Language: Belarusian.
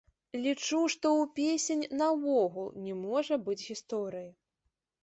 Лічу, што ў песень наогул не можа быць гісторыі.